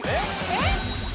えっ？